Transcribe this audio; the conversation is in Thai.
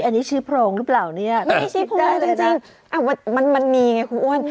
อันนี้ชื่อพรงหรือเปล่าเนี่ยไม่ใช่ชื่อพรงจริงมันมีไงครับคุณอ้วน